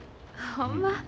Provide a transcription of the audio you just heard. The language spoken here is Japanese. ほんま？